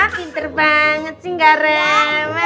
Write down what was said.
pinter banget sih nggak rewe